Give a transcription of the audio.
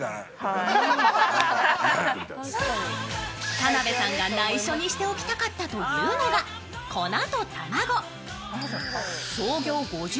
田辺さんが内緒にしておきたかったというのが粉と卵。